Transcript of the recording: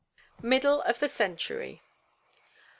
MIDDLE OF THE CENTURY. No.